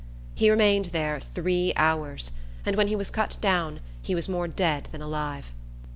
He remained there three hours; and, when he was cut down, he was more dead than alive.